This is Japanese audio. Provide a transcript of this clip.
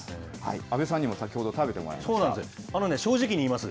阿部さんにも先ほど食べてもらいそうなんです。